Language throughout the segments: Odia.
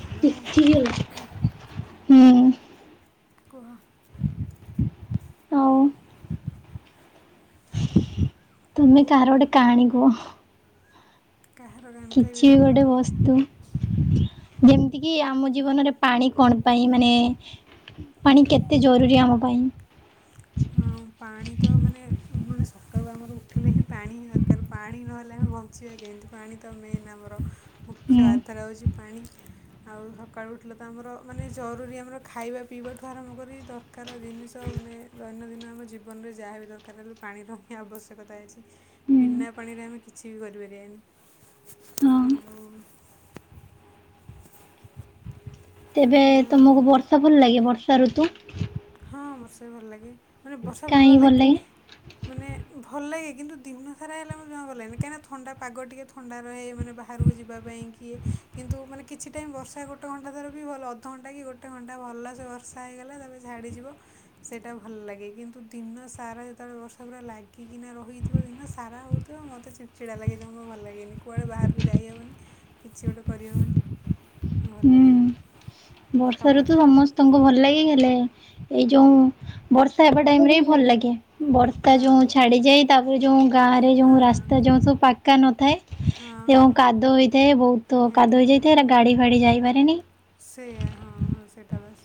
ହ୍ୟାଲୋ ତିଥିଗଲା। ହୁଁ ହୁଁ କୁହ। ଆଉ ତୁମେ କାହାର ଗୋଟେ କାହାଣୀ କୁହ। କାହାର [unintelligible] କିଛି କହୁନ ଗୋଟେ ତମେ ବସ୍ତୁ। ଯେମିତିକିି ଆମ ଜୀବନରେ ପାଣି କଣ ପାଇଁ ମାନେ ପାଣି କେତେ ଜରୁରୀ ଆମ ପାଇଁ। ଅଁ ପାଣି ତ ମାନେ, ମାନେ ସକାଳୁ ଆମର ଉଠିଲେ ହିଁ ପାଣି ଦରକାର ପାଣି ନହେଲେ ଆମେ ବନ୍ଦ [unintelligible] କେମିତି ପାଣି ତ ମେନ୍ ଆମର ମୁଖ୍ୟ ହୁଁ। ଆଧାର ହେଉଛି ପାଣି ଆଉ ସକାଳୁ ଉଠିଲ ତ ଆମର ମାନେ ଜରୁରୀ ଆମର ଖାଇବା ପିଇବାଠୁ ଆରମ୍ଭ କରି ଦରକାର ଜିନିଷ ମାନେ ଦୈନନ୍ଦିନ ଆମେ ଜୀବନରେ ଯାହାବି ଦରକାର ହେଲେ ପାଣି ର ହି ଆବଶ୍ୟକତା ଅଛି। ହୁଁ ବିନା ପାଣିରେ ଆମେ କିଛି ବି ହଁ କରିପାରିବାନି ଆଉ ତେବେ ଆଉ ତମକୁ ବର୍ଷା ଭଲ ଲାଗେ ବର୍ଷା ଋତୁ ହଁ ବର୍ଷା ବି ଭଲ ଲାଗେ। ମାନେ ବର୍ଷା ଭଲ ଲାଗେ ମାନେ ଭଲ ଲାଗେ କିନ୍ତୁ ଦିନ ସାରା ହେଲେ ମୁଁ ଜା ଗଲେ କାହିଁନା ଥଣ୍ଡା ପାଗ ଟିକେ ଥଣ୍ଡା ରହେ ମାନେ ବାହାରକୁ ଯିବା ପାଇଁ କିଏ କିନ୍ତୁ ମାନେ କିଛି ଟାଇମ୍ ବର୍ଷା ଗୋଟେ ଘଣ୍ଟା ଧର ବି ଭଲ ଅଧଘଣ୍ଟା କି ଗୋଟେ ଗୋଟେ ଘଣ୍ଟା ଭଲସେ ବର୍ଷା ହେଇଗଲା ତବେ ଛାଡ଼ିଯିବ ସେଇଟା ଭଲ ଲାଗେ କିନ୍ତୁ ଦିନ ସାରା ଯେତେବେଳେ ବର୍ଷା ପୁରା ଲାଗିକିନା ରହି ଥିବ ଦିନସାରା ହେଉଥିବ ମତେ ଚିଡ଼ଚିଡ଼ା ଲାଗେଯିବ ମୋ ଭଲ ଲାଗେନି କୁଆଡ଼େ ବାହାରକୁ ଯାଇହବନି କିଛି ଗୋଟେ କରି ହବନି। ଭଲ ହୁଁ ଲାଗେନି ବର୍ଷା ତମକୁ ଋତୁ ସମସ୍ତେ ତଙ୍କୁ ଭଲ ଲାଗି ହେଲେ ଏଇ ଯୋଉ ବର୍ଷା ହେବା ଟାଇମ ରେ ବି ଭଲ ଲାଗେ ବର୍ତ୍ତା ହଁ ଯୋଉ ଛାଡି ଯାଇ ତାପରେ ଯୋଉ ଗାଁ ରେ ଯୋଉ ହଁ ରାସ୍ତା ଯୋଉ ସବୁ ପାକା ନଥାଏ ହଁ ଏବଂ କାଦ ହେଇଥାଏ ବହୁତ ତ କାଦୁଇ ଯାଇଥିବ ହେରା ଗାଡ଼ି ଫାଡ଼ି ଯାଇପାରେନି ସେୟା ହଁ ହଁ ସେଇଟା ବସ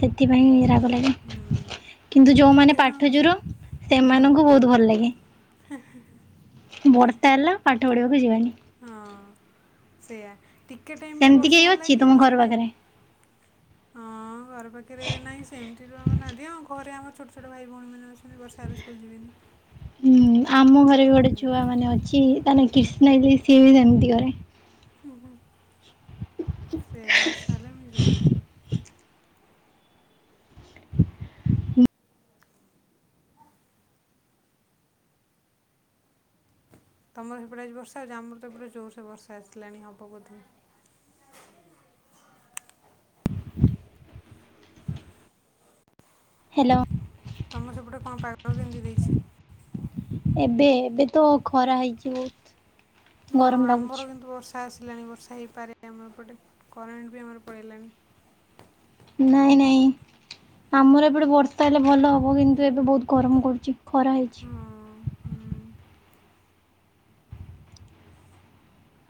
ସେଥିପାଁଇ ରାଗ ଲାଗେ ହୁଁ କିନ୍ତୁ ଯୋଉମାନେ ଟିକେ ସମୟ ପାଠ ବର୍ଷା ଯୁର ସେମାନଙ୍କୁ ବହୁତ ଭଲ ଲାଗେ। ହେଁ ହେଁ ବର୍ତ୍ତା ହେଲା ପାଠ ପଢିବାକୁ ଯିବାନି ହଁ ସେୟା ଟିକେ ଟାଇମରେ ସେମିତି ବର୍ଷା କେହି ହେଲା ଅଛି କି ତମ ଘର ପାଖରେ? ଛାଡ଼ିଗଲା ହଁ ଘର ପାଖରେ ନାହିଁ ସେମିତି ତ ନାହାନ୍ତି ଆଉ ଘରେ ଆମର ଛୋଟ ଛୋଟ ଭାଇ ଭଉଣୀ ମାନେ ଅ ଫୁଣି ବର୍ଷା ହେଲେ ସ୍କୁଲ ଯିବିନି ହୁଁ ଆମ ଘରେ ବି ଗୋଟେ ଛୁଆ ମାନେ ଅଛି ତା ନା କ୍ରିଷ୍ଣା ଲେ ସିଏ ବି ସେମିତି କରେ ହୁ ହୁ ସେୟା ବର୍ଷା ହେଲେ ଆମେ ଯିବୁନି। ତମର ସେପଟେ ଆଜି ବର୍ଷା ହେଉଚି ଆମର ତ ଏପଟେ ଜୋରସେ ବର୍ଷା ଆସିଲାଣି ହଵ ବୋଧି? ହ୍ୟାଲୋ ତମ ସେପଟେ କଣ ପାଗ କେମିତି ଦେଇଛି? ଏବେ ଏବେ ତ ଖରା ହେଇଛି ବହୁତ ହଁ ଗରମ ଲାଗୁଛି ଆମର କିନ୍ତୁ ବର୍ଷା ଆସିଲାଣି ବର୍ଷା ହେଇପାରେ ଆମର ଏପଟେ କରେଣ୍ଟ ବି ଆମର ପଳେଇଲାଣି। ନାଇଁ ନାଇଁ ଆମର ଏପଟେ ବର୍ଷା ହେଲେ ଭଲ ହବ କିନ୍ତୁ ଏବେ ବହୁତ ଗରମ କରୁଚି ଖରା ହେଇଛି ହଁ ହଁ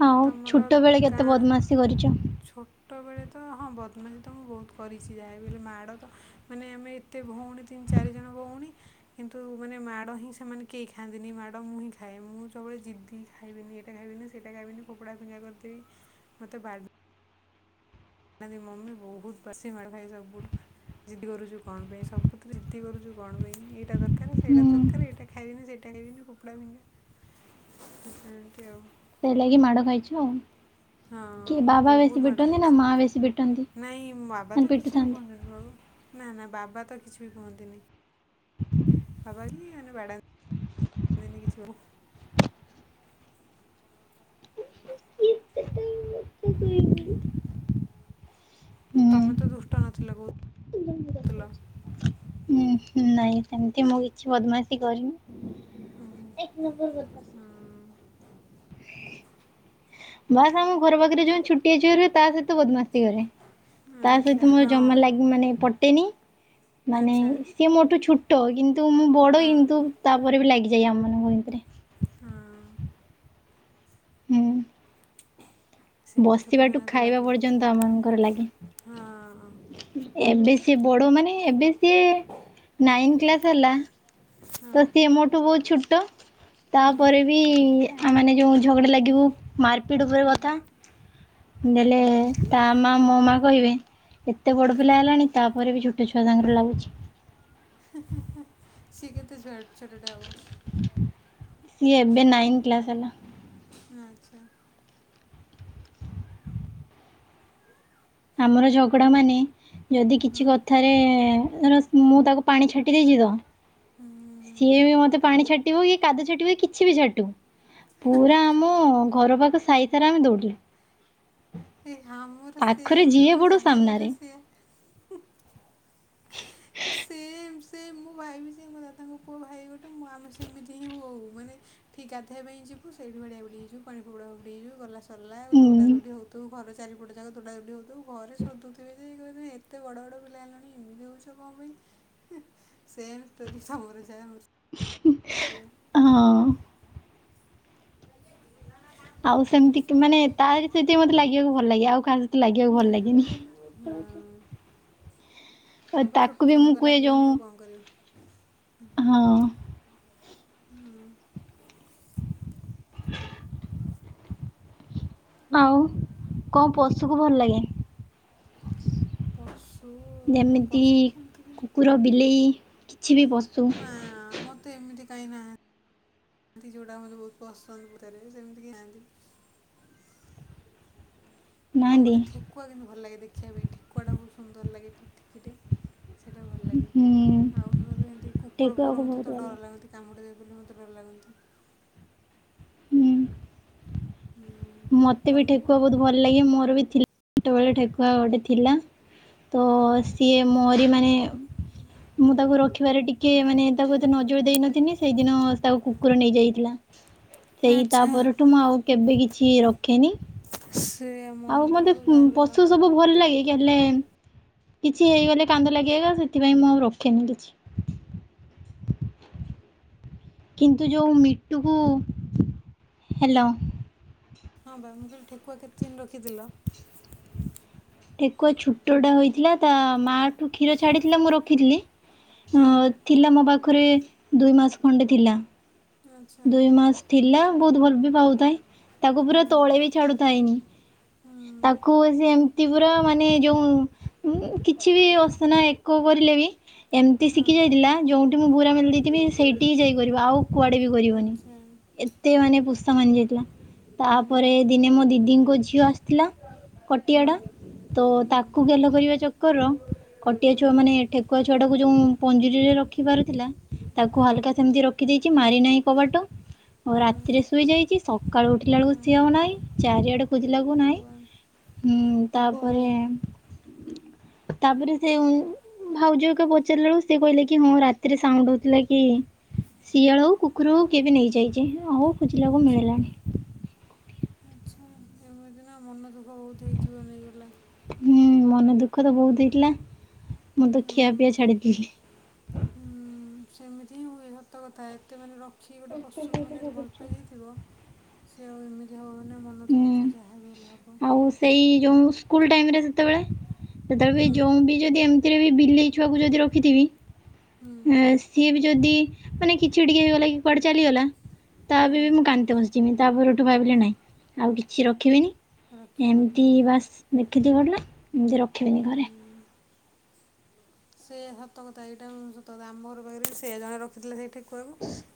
ଆଉ ତମର ଛୋଟ ବେଳେ କେତେ ଗାଁ ବଦ୍ମାସି କରିଛ? ଛୋଟବେଳେ ତ ହଁ ବଦମାଜି ତ ମୁଁ ବହୁତ କରିଛି ଯାହାକହିଲେ ମାଡ଼ ତ ମାନେ ଆମେ ଏତେ ଭଉଣୀ ତିନି ଚାରି ଜଣ ଭଉଣୀ କିନ୍ତୁ ମାନେ ମାଡ଼ ହିଁ ସେମାନେ କେହି ଖାଆନ୍ତିନି ମାଡ଼ ମୁଁ ହିଁ ଖାଏ ମୁଁ ସବୁବେଳେ ଜିଦ୍ଦି ଖାଇବିନି ଏଟା ଖାଇବିନି ସେଇଟା ଖାଇବିନି ଫୋପଡା ଫିଙ୍ଗା କରିଦେବି ମତେ ବା ଡାନ୍ତୀ ମମି ବହୁତ ପସି ମଡ ଖାଇ ସୁୁ ଜିଦ୍ଦି କରୁଛୁ କଣ ପାଇଁ ସବୁଥିରେ ଜିଦି କରୁଛୁ କଣ ପାଇଁ ଏଇଟା ଦରକାର ସେଇଟା ଦର ହୁଁ। କାରେ ଏଇଟା ଖାଇବିନି ସେଇଟା ଖାଇବିନି ଫୋପଡା ଫିଙ୍ଗା ଏମିତି ଆଉ ସେ ଲାଗି ମାଡ ଖାଇଛୁ ଆଉ ହଁ କି ବାବା ବେଶୀ ବହୁତ ମାଡ଼ ପିଟନ୍ତି ନା ହେଇଛି ମା ବେଶୀ ପିଟନ୍ତି ନାଇଁ ମ ବାବା ମାନେ ତ କିଛି ବି ପିଟୁଥାନ୍ତି। କୁହନ୍ତିନି ବାବ ନା ନା ବାବା ତ କିଛି ବି କୁହନ୍ତିନି ବାବା ବି ମାନେ ବଡାନ୍ତିନି କିଛି [unintelligible] [unintelligible] ତମେ ତ ହୁଁ। ଦୁଷ୍ଟ ନଥିଲ କେଉଁଥିଲ। ନାଇଁ ସେମିତି ମୁଁ କିଛି ବଦମାସି କରିନି। [inaudible] ବାସ୍ ଆମ ଘର ପାଖରେ ଯୋଉ ଛୋଟିଆ ଛୁଆ ରୁହେ ତା ସହିତ ବଦମାସୀ କରେ। ତା ଆଚ୍ଛା ସହିତ ମୋର ହଁ ଜମା ଲାଗି ମାନେ ପ୍ ଟେନି ମାନେ ଆଚ୍ଛା ସିଏ ମୋଠୁ ଛୋଟ କିନ୍ତୁ ମୁଁ ବଡ ହଁ କିନ୍ତୁ ତାପରେ ବି ଲାଗି ଯାଏ ଆମମାନଙ୍କ ଭିତରେ। ହଁ। ହୁଁ। ସେମିତି ଛୋଟ ବସିବାଠୁ ଛୁଆଙ୍କ ସହିତ ଖାଇବା ଲାଗିବ ପର୍ଯ୍ୟନ୍ତ ଆମ ମାନଙ୍କର ହଁ ହଁ ଲାଗେ। ଏବେ ସେ ବଡ ମାନେ ଏବେ ସିଏ ନାଇନ କ୍ଲାସ ହେଲା। ହୁଁ ତ ସିଏ ମୋଠୁ ବହୁତ ଛୋଟ। ହୁଁ ତାପରେ ବି ମାନେ ଯେଉଁ ଝଗଡ଼ା ଲାଗିବୁ ମାର ପିଟ ଉପରେ କଥା। ହୁଁ ନେଲେ ହୁଁ ତା ମା ମୋ ମା କହିବେ ଏତେ ହୁଁ ବଡ଼ ପିଲା ହେଲାଣି ତାପରେ ବି ଛୋଟ ଛୁଆ ସାଙ୍ଗରେ ଲାଗୁଛି। ହି ହି ହିଁ। ସେ କେତେ ଛୁଆ ଛୋଟ ଟା ହବ? ସିଏ ଏବେ ନାଇନ୍ କ୍ଲାସ ହେଲା। ଆଚ୍ଛା। ଆମର ଝଗଡ଼ା ମାନେ ଯଦି ହଁ କିଛି କଥାରେ ଧର ମୁଁ ତାକୁ ପାଣି ଛାଟି ଦେଇଛି ତ ହୁଁ। ସିଏ ବି ମତେ ପାଣି ଛାଟିବ କି କାଦୁ ଛାଟିବ କି କିଛି ବି ଛାଟୁ ପୁରା ମୋ ଘର ପାଖ ସାଇ ସାରା ଆମେ ଦୌଡୁ। ସେଇ ହଁ ମୋର ପାଖରେ ସେମ ଯିଏ ତମେ ପଡୁ ଯାହା ସାମ୍ନାରେ କହୁଛ ସେମ୍। ସେମ୍ ସେମ୍ ମୋ ଭାଇ ବି ସେ ମୋ ଦାଦାଙ୍କ ପୁଅ ଭାଇ ଗୋଟେ ମୁଁ ଆମେ ସେମିତି ହିଁ ହୋଉ ମାନେ ସେଠି ଗାଧେଇବା ପାଇଁ ଯିବୁ ସେଇଠି ବଡ଼ିଆ ବାଡେଇ ହେଇଯିବୁ ପାଣି ଫୋପଡ଼ା ଫୋପାଡ଼ି ହେଇଯିବୁ ଗଲା ସଲା ଆଉ ଉଁ ଦୋଡା ଦୋଡି ହଉଥିବୁ ଘର ଚାରିପଟ ଯାକ ଦୌଡ ଦୌଡି ହଉଥିବୁ। ଘରେ ସୋଦୁଥିବେ ଯେ ଏତେ ବଡ଼ ପିଲା ହେଲଣି ଏମିତି ହୋଉଛ। କଣ ପାଇଁ ସେମ ଷ୍ଟୋରି ତମର ଯାହା ଆମର ସେ ସେଇଆ। ହଁ ଆଉ ସେମିତିକି ମାନେ ତାରି ସହିତ ହିଁ ମତେ ଲାଗିବାକୁ ଭଲ ଲାଗେ ଆଉ କାହା ସ ଲାଗିବାକୁ ଭଲ ଲାଗେନି। ହଁ ଆ ହଁ ବା ଛୋଟ ତାକୁ ବି ଛୁଆଙ୍କ ମୁଁ ସହିତ କୁହେ ଲାଗିବନି ଯଉଁ ଆଉ କ'ଣ କରିବୁ ହଁ। ହୁଁ ଆଉ କଣ ପଶୁକୁ ଭଲ ଲାଗେ? ପଶୁ ନାଇଁ ଯେମିତି ପଶୁ ତ ସେମିତି କି କୁକୁର ବିଲେଇ କିଛି ବି ପଶୁ ନା ମତେ ମତେ ଏମିତି କାହିଁ ନାହାନ୍ତି ଯୋଉଟା ମତେ ବହୁତ ପସନ୍ଦ ଭିତରେ ସେମିତି କେହି ନାହାନ୍ତି। ତା ନାହାନ୍ତି ମୋତେ ଠେକୁଆ କିନ୍ତୁ ଭଲ ଲାଗେ ଦେଖିବା ପାଇଁ ଠେକୁଆଟା ବହୁତ ସୁନ୍ଦର ଲାଗେ ଟିକିଟେ। ସେଇଟା ଭଲ ଲାଗେ। ହୁଁ ଆଉ ନହେଲେ ଏମିତି କୁକୁର ଠେକୁଆକୁ ଫୁକୁର ମୋତେ ବହୁତ ତ ଭଲ ଲାଗେ। ଡର ଲାଗନ୍ତି। କାମୁଡଡିଦେବେ ବୋଲି ମୋତେ ଡର ଲାଗନ୍ତି। ହୁଁ। ହୁଁ। ମତେ ବି ତମକୁ ଠେକୁଆ ବହୁତ ଭଲ ଲାଗେ ମୋର ବି ଥିଲା ପିଲାବେଳେ ଠେକୁଆ ଗୋଟେ ଥିଲା। ତ ହଁ ସିଏ ମୋରି ମାନେ ମୁଁ ତାକୁ ରଖିବାରେ ଟିକେ ମାନେ ତାକୁ ଏତେ ନଜର ଦେଇନଥିନି ସେଇଦିନ ତାକୁ କୁକୁର ନେଇଯାଇଥିଲା ସେଇ ତା ଆଚ୍ଛା ପରଠୁ ମୁଁ ଆଉ କେବେ କିଛି ରଖେନି। ସେ ଆଉ ମନ ଦୁଃଖ ମତେ ତ ଯାହା ବି ହେଲେ ହବ ପଶୁ ତମର ସବୁ ଭଲ ଲାଗେ। ହେଲେ କିଛି ହେଇଗଲେ କାନ୍ଦ ଲାଗେ ଏକା ସେଥିପାଇଁ ମୁଁ ଆଉ ରଖେନି କିଛି। କିନ୍ତୁ ଯଉ ମିଟୁକୁ ହେଲୋ। ହଁ ପା ମୁଁ କହିଲି ଠେକୁଆ କେତେ ଦିନ ରଖିଥିଲ? ଠେକୁଆ ଛୁଟଟା ହୋଇଥିଲା ତା ମାଆଠୁ କ୍ଷୀର ଛାଡ଼ିଥିଲା ମୁଁ ରଖିଥିଲି ହଁ ଥିଲା ମୋ ପାଖରେ ଦୁଇ ମାସ ଖଣ୍ଡେ ଥିଲା। ଆଚ୍ଛା ଦୁଇ ମାସ ଥିଲା ବହୁତ ଭଲ ବି ପାଉଥାଏ ତାକୁ ପୁରା ତଳେ ବି ଛାଡୁଥାଏନି। ହଁ। ତାକୁ ସେ ସେମତି ପୁରା ମାନେ ଯଉ କିଛି ବି ଅସନା ଏକ କରିଲେ ବି ଏମିତି ହଁ ଶିଖି ଯାଇଥିଲା ଯଉଠିଁ ମୁଁ ବୁରା ମେଲି ଦେଇଥିବି ସେଇଠିଁ ଯାଇକରିବ ଆଉ କୁଆଡେ ବି କରିବନି। ଆଚ୍ଛା ଏତେ ମାନେ ପୁସା ମାନିଯାଇଥିଲା ହୁଁ ତାପରେ ଦିନେ ମୋ ଦିଦିଙ୍କ ଝିଅ ଆସିଥିଲା ହୁଁ କଟିଆଡ଼ା ତ ହୁଁ ତାକୁ ଗେଲ କରିବା ଚକରର କଟିଆ ହୁଁ ଛୁଆ ମାନେ ଠେକୁଆ ଛୁଆଟାକୁ ଯଉଁ ପଞ୍ଜୁରୀରେ ରଖି ବାରଥିଲା ତାକୁ ହଁ ହାଲକା ସେମିତି ର ରଖିଦେଇକି ମାରି ନାଇଁ କବାଟ ଆଉ ହଁ ରାତିରେ ସୁଇଯାଇଛି ସକାଳୁ ଉଠିଲା ବେଳକୁ ହଁ ସିଏ ଆଉ ନାଇଁ ଚାରିଆଡ ଖୁଜିଲାଏଳକୁ ନାଇଁ ଭଗବାନ ଉଁ ତାପରେ ତାପରେ ସେଉଁ ଭାଉଜହକା ପଚାରିଲା ବଳୁ ସେ କହିଲେ କି ହଁ ରାତିରେ ସାଉଣ୍ଡ ହଉଥିଲା କି ସିଆଳ ହଉ କୁ କୁକୁର ହଉ କିଏବି ନେଇଯାଇଛି ଆଉ ଖୋଜିଲାଏଳକୁ ଆଚ୍ଛା ମିଳିଲାନି। ଆଚ୍ଛା ଏମିତି ନା ମନ ଦୁଃଖ ବହୁତ ହେଇଥିବ ନେଇଗଲା। ହୁଁ ମନେ ଦୁଃଖ ତ ବହୁତ ହେଇଥିଲା ମୁଁ ତ ହୁଁ ଖିଆ ପିଆ ଛାଡିଥିଲି। ହୁଁ ସେମିତି ହିଁ ହୁଏ ସତ କଥା ଏତେ ମାନେ ରଖିକ ଗୋଟେ ପଶୁକୁ ମାନେ ଏତେ ଭଲ ପାଇଯାଇଥିବ ସେ ଆଉ ଏମିତି ହବ ନା ମନ ହୁଁ। ତ ଦୁଃଖ ଯାହାବି ହେଲେ ହବ। ଆଉ ସେଇ ଯଉଁ ସ୍କୁଲ ଟାଇମରେ ଜେତେବେଳେ ଜେତେବେଳେ ହୁଁ ବି ଯଉଁ ବି ଯଦିଏମ ସେତେବେଳେ ବି ବିଲେଇ ଛୁଆକୁ ଯଦି ରଖିଥିବି ହୁଁ ସିଏ ବି ଯଦି ମାନେ କିଛି ଟିକେ ହେଇଗଲା କି କୁଆଡେ ଚାଲିଗଲା ତାପାଇଁବି ମୁଁ ହଁ କାନ୍ଦତେ ବସିମି ତାପରଠୁ ଭାବିଲି ନାଇଁ ଆଉ କିଛି ରଖିବିନି ରଖିବନି ଏମିତି ହଁ ବାସ୍ ଦେଖିଦି ଭଲ ଏମିତି ରଖିବିନି ଘରେ। ହୁଁ ସେ ସତ କଥା ଏଇଟା ମୁଁ ସତ କ ଆମ ଘର କହିି ସେ ଜଣେ ରଖିଥିଲେ ସେଇଠେ କୁହବୁ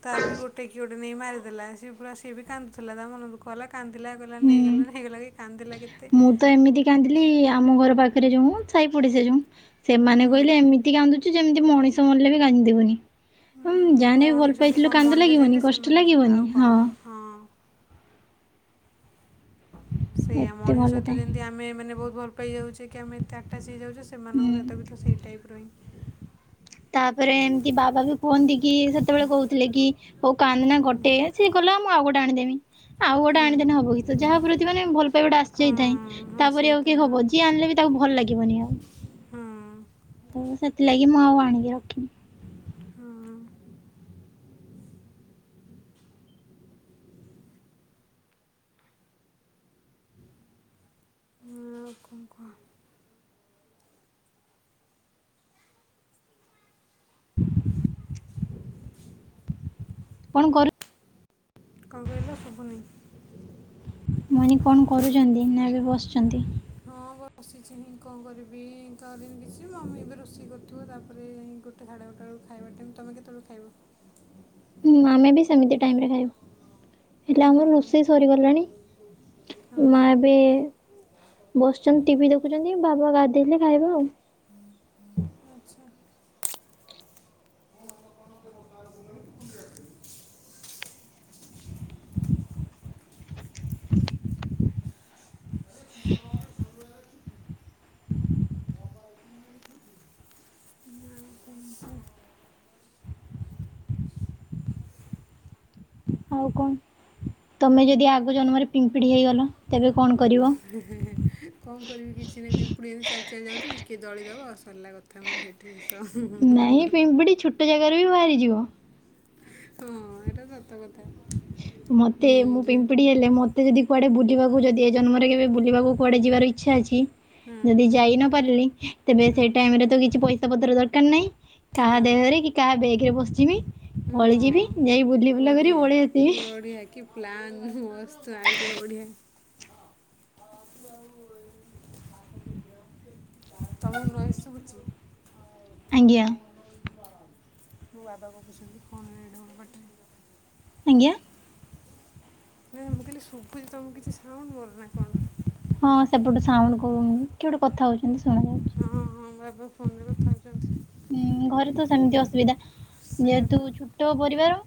ତାର ବି ଗୋଟେ କିଏ ଗୋଟେ ନେଇକି ମାରିଦେଲା ସିଏ ପୁରା ସିଏ ବି କାନ୍ଦୁଥିଲା ତା ମନଦୁଃଖ ଗଲା କାନ୍ଦିଲା କହିଲା ହୁଁ ନେଇଗଲାରେ ହେଇଗଲା କି କାନ୍ଦିଲା କେତେ। କାନ୍ଦୀଲି ଆମ ଘର ପାଖରେ ଯୋଉଁ ମ ସାାଇ ପଡିଶା ଯଉଁ ହୁଁ ସେମାନେ କହିଲେ ଏମିତି କାନ୍ଦୁଚୁ ଯେମିତି ମଣିଷ ମଲେବି କାନ୍ଦିିବୁନି। ହୁଁ ହଁ ଯାହେନେ ବି ଭଲ ମଣିଷଟି ପାଇଥିଲୁ କଣ କାନ୍ଦ ମଣିଷ ଯେମିତି ଲାଗିବନି କଷ୍ଟ ସେମାନେ ସେମିତି ଲାଗିବନି ଆଉ କଣ ହଁ। ହଁ ସେଇଆ ଏତେ ମଣିଷ ଭଲ ସହିତ ଥାଏ ଯେମ ଯଦି ଆମେ ମାନେ ବହୁତ ଭଲ ପାଇଯାଉଛେ କି ଆମେ ଏତେ ଆଟାଚ ହେଇଯାଉଛେ ସେମାନଙ୍କ ହୁଁ ସହିତ ବି ତ ସେଇ ଟାଇପ୍ର ହିଁ ତାପରେ ଏମତି ବାବା ବି ଫୋନ ଦେଇକି ସେତେବେଳେ କହୁଥିଲେ କି ହଉ କାନ୍ଦନା ଗୋଟେ ସିଏ ଗଲା ମୁଁ ଆଉଗୋଟେ ଆଣିଦେବି। ଆଉ ଗୋଟେ ହୁଁ ଆଣିଦେନେ ହବକି ସେ ଯାହା ପ୍ରତି ମାନେ ଭଲ ପାଇବାଟା ହଁ ଆସିଯାଇଥାଏ ହଁ ତାପରି ଆଉ ସେଇଟା କିଏ ହଁ ହବ ଯିଏ ଆଣିଲେ ବି ତାକୁ ଭଲ ଲାଗିବନି ଆଉ। ହଁ ତ ସେଥିଲାଗି ମୁଁ ଆଉ ଆଣିକି ରଖିନି। ହଁ। ଆଉ କଣ କୁହ? କଣ କର କଣ କହିଲ ଶୁଭୁନି? ମୁଁ କହିନି କଣ କରୁଛନ୍ତି ନା ଏବେ ବସିଛନ୍ତି? ହଁ ବସିଛି ହିଁ କଣ କରିବି କରିନି କିଛି ମମି ଏବେ ରୋଷେଇ କରୁଥିବ ତାପରେ ଗୋଟେ ସାଢ଼େ ଗୋଟେ ବେଳୁ କୁ ଖାଇବା ଟାଇମ ତମେ କେତେବେଳେ ଖାଇବ? ହୁଁ, ଆମେ ବି ସେମିତି ଟାଇମ୍ ରେ ଖାଇବୁ। ହେଲେ ଆମର ରୋଷେଇ ସରିଗଲାଣି। ମା ହଁ ଏବେ ବସିଛନ୍ତି ଟିଭିି ଦେଖୁଛନ୍ତି। ବାବା ଗାଧେଇଲେ ଖାଇବା ଆଉ। ଆଚ୍ଛା। [inaudible] [inaudible] ଆଉ କ'ଣ କୁହ? ଆଉ କଣ? ତୁମେ ଯଦି ଆଗ ଜନ୍ମରେ ପିମ୍ପିଡ଼ି ହେଇଗଲ ତେବେ କଣ କରିବ? ହେଁ, ହେଁ, ହେଁ କଣ କରିବି କିଛି ନାହିଁ, ପିମ୍ପୁଡ଼ି ଏମତି ଚାଲି ଚାଲି ଯାଉଥିବି କିଏ ଦଳିଦବ ସରଲା କ କଥା ମୋର ସେଠି ଶେଷ ହୁଁ, ହୁଁ, ହୁଁ, ହୁଁ, ହୁଁ। ସେ ଜାଗାରୁ ବି ବାହାରିଯିବ। ହଁ, ହଁ ଏଟା ସତ କଥା। ମୋତେ ହୁଁ ମୁଁ ଯେ ପିମ୍ପିଡି ଏ ହେଲେ ମୋତେ ଯଦି କୁଆଡେ ବୁଲିବାକୁ ଯଦି ଏ ଜନ୍ମରେ କେବେ ବୁଲିବାକୁ କୁଆଡେ ଯିବାର ଇଚ୍ଛା ଅଛି। ହଁ ଯଦି ହଁ ଯାଇ ନ ପାରିଲି ତେବେ ହଁ ସେଇ ଟାଇମ୍ ରେ ତ କିଛି ପଇସା ପତ୍ର ଦରକାର ନାହିଁ। କାହା ହଁ ଦେହରେ କି କାହା ବେଗ ରେ ବସିଯିମି, ପଳେଇଯିବି ହଁ ଯାଇ ବୁଲି ବୁଲା କରି ବଢ଼ିଆ ପଳେଇ ଆସିବି। ବଢ଼ିଆ କି ପ୍ଲାନ୍ ମସ୍ତ ଆଇଡ଼ିଆ ବଢ଼ିଆ। ତୋମକୁ ନଏଜ୍ ଶୁଭୁଚି? ଆଜ୍ଞା ମୋ ବାବା ଗପୁଛନ୍ତି ଫୋନ୍ ରେ ଏଡେ ବଡ଼ ପାଟି ରେ। ଆଜ୍ଞା। ନାହିଁ ମୁଁ କହିଲି ଶୁଭୁଛି ତୋମକୁ କିଛି ସାଉଣ୍ଡ ମୋର ନା କଣ? ହଁ ସେପଟୁ ସାଉଣ୍ଡ କହୁନୁ କିଏ ଗୋଟେ କଥା ହଉଛନ୍ତି ଶୁଣା ଯାଉଛି। ହଁ, ହଁ ବାବା ଫୋନ୍ ରେ କଥା ହଉଛନ୍ତି। ହୁଁ, ଘରେ ତ ସେମିତି ଅସୁବିଧା, ଯେହେତୁ ସେଇଆପା ଛୁଟ ପରିବାର।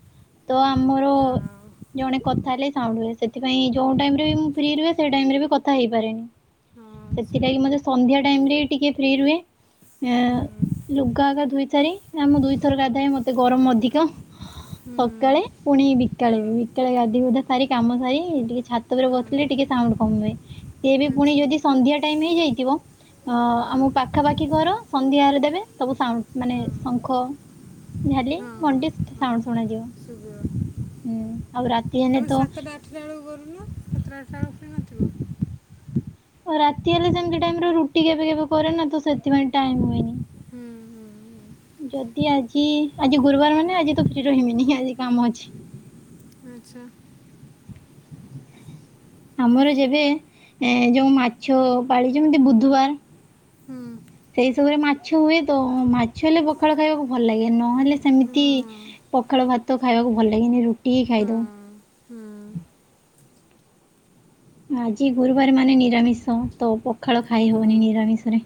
ତ ଆମର ହଁ ଜଣେ କଥା ହେଲେ ସାଉଣ୍ଡ ହୁଏ। ସେଥିପାଇଁ ହୁଁ ଯୋଉ ଟାଇମ୍ ରେ ବି ମୁଁ ଫ୍ରି ରୁହେ ସେଇ ଟାଇମ୍ ରେ ବି କଥା ହେଇପାରେନି। ହଁ ସେଇଆ ସେଥିଲାଗି ତ ମୋତେ ସନ୍ଧ୍ୟା ଟାଇମ୍ ରେ ଟିକେ ଫ୍ରି ରୁହେ ଏ ହୁଁ ଲୁଗା ଏକା ଧୁଇ ସାରି, ନା ମୁଁ ଦୁଇଥର ଗାଧାଏ ମୋତେ ଗରମ ଅଧିକ। ହୁଁ ସକାଳେ ପୁଣି ବିକାଳେ ହଁ ବି, ବିକାଳେ ଗାଧେଇ ଗୁଧା ସାରି କାମ ସାରି। ଟିକେ ଛା ତ ଉପରେ ହଁ ବସିଲେ ଟିକେ ସାଉଣ୍ଡ କମ ହୁଏ। ସିଏ ବି ପୁଣି ଆଚ୍ଛା ଯଦି ସନ୍ଧ୍ୟା ଟାଇମ୍ ହେଇଯାଇଥିବ ଅ, ହଁ ଆମ ପାଖାପାଖି ଘର ସନ୍ଧ୍ୟା ହେଲେ ଦେବେ ସବୁ ସାଉଣ୍ଡ ମାନେ ହଁ ଶଙ୍ଖ ଝାଲି ହଁ ହଁ ଘଣ୍ଟି ହଁ ସାଉଣ୍ଡ ଶୁଣାଯିବ। ଶୁଭିବ ହୁଁ ଆଉ ରାତି ହେଲେ ତୁମେ ତ ସାତଟା ଆଠଟା ବେଳକୁ କରୁନ। ସାତଟା ଆଠଟା ବେଳକୁ ଫ୍ରି ନଥିବ? ଓ ରାତି ହେଲେ ସେମିତି ଟାଇମ୍ ର ରୁଟି କେବେ କେବେ କରେ ନା ତ ସେଥିପାଇଁ ଟାଇମ୍ ହୁଏନି। ହୁଁ, ହୁଁଁ, ହୁଁ। ଯଦି ଆଜି ଆଜି ଗୁରୁବାର ମାନେ ଆଜି ତ ଫ୍ରି ରହିମିନି ଆଜି କାମ ଅଛି। ଆଚ୍ଛା। ଆମର ଯେବେ ଏ ଯୋଉ ମାଛ ପାଳି ଯେମିତି ବୁଧବାର। ହୁଁ। ସେଇ ସବୁରେ ମାଛ ହୁଏ ତ, ମାଛ ହେଲେ ପଖାଳ ଖାଇବାକୁ ଭଲ ଲାଗେ। ନହେଲେ ସେମିତି ହଁ ପଖାଳ ଭାତ ଖାଇବାକୁ ଭଲ ଲାଗେନି, ରୁଟି ହି ଖାଇଦଉ। ହଁ ଆଜି ଗୁରୁବାର ମାନେ ନିରାମିଷ, ତ ପଖାଳ ଖାଇ ହଁ ହଉନି ହଁ ନିରାମିଷ ରେ।